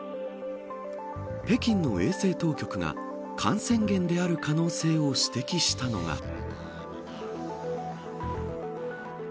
北京の衛生当局が感染源である可能性を指摘したのが。